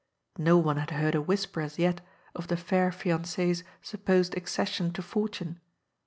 No one had heard a whisper as yet of the fair fiancee's supposed accession to fortune.